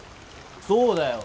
そうだよ。